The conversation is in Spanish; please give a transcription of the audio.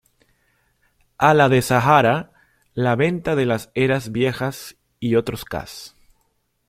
A la de Zahara; la venta de las Eras- Viejas, y otros cas.